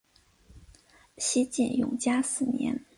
西晋永嘉四年。